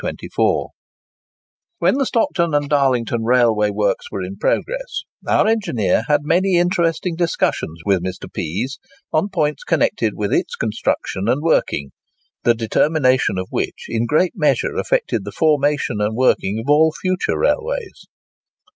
While the Stockton and Darlington Railway works were in progress, our engineer had many interesting discussions with Mr. Pease, on points connected with its construction and working, the determination of which in a great measure affected the formation and working of all future railways.